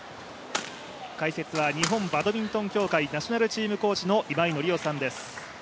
解説は日本バドミントン協会ナショナルチームコーチの今井紀夫さんです。